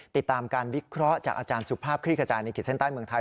ติดตามการวิเคราะห์จากอาจารย์สุภาพคลี่ขจายในขีดเส้นใต้เมืองไทย